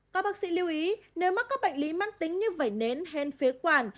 các bác sĩ lưu ý nếu mắc các bệnh lý mãn tính như vẩy nến hen phế quản